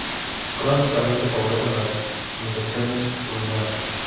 Crónicamente favorecen las infecciones urinarias.